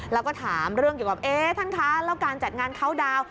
แล้วก็ถามเรื่องเกี่ยวกับเอ๊ะท่านคะแล้วการจัดงานเข้าดาวน์